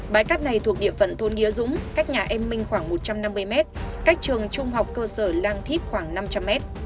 bãi cát này thuộc địa phận thôn nghĩa dũng cách nhà em minh khoảng một trăm năm mươi mét cách trường trung học cơ sở lang thíp khoảng năm trăm linh mét